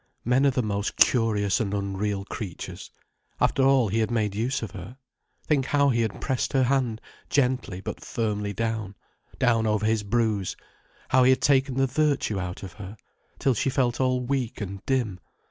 Men are the most curious and unreal creatures. After all he had made use of her. Think how he had pressed her hand gently but firmly down, down over his bruise, how he had taken the virtue out of her, till she felt all weak and dim.